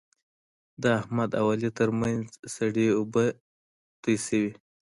د احمد او علي ترمنځ سړې اوبه تویې شوې.